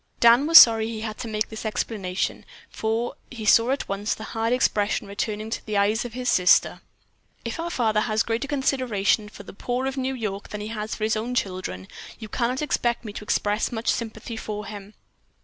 Dan was sorry he had to make this explanation, for he saw at once the hard expression returning to the eyes of his sister. "If our father has greater consideration for the poor of New York than he has for his own children, you can not expect me to express much sympathy for him."